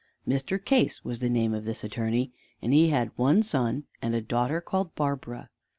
Mr. Case was the name of this attorney, and he had one son and a daughter called Barbara.